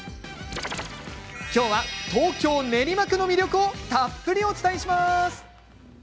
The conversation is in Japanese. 今日は東京・練馬区の魅力をたっぷりお伝えします。